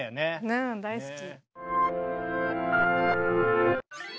うん大好き。